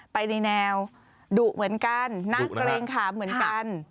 ไปในแนวดุเหมือนกันน่าเกรงขามเหมือนกัน